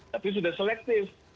tapi sudah selektif